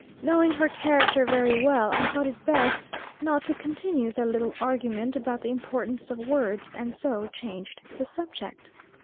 Knowing her character very well, I thought it best not to continue the little argument about the importance of words, and so changed the subject.